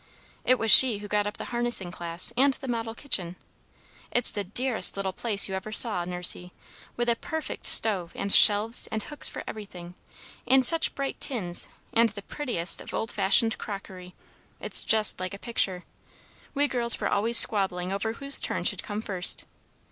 It was she who got up the Harnessing Class and the Model Kitchen. It's the dearest little place you ever saw, Nursey, with a perfect stove, and shelves, and hooks for everything; and such bright tins, and the prettiest of old fashioned crockery! It's just like a picture. We girls were always squabbling over whose turn should come first.